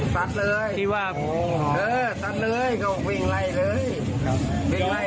สักเลย